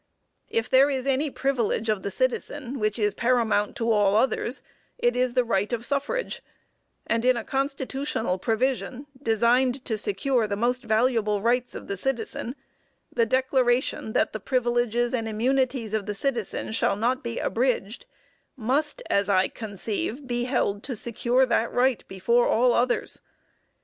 If there is any privilege of the citizen which is paramount to all others, it is the right of suffrage; and in a constitutional provision, designed to secure the most valuable rights of the citizen, the declaration that the privileges and immunities of the citizen shall not be abridged, must, as I conceive, be held to secure that right before all others.